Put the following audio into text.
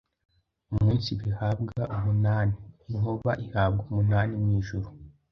Umunsi bihabwa umunani; inkuba ihabwa umunani mu ijuru